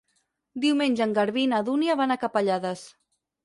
Diumenge en Garbí i na Dúnia van a Capellades.